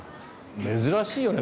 珍しいよね